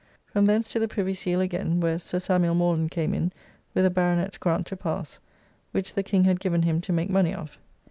From thence to the Privy Seal again, where Sir Samuel Morland came in with a Baronet's grant to pass, which the King had given him to make money of.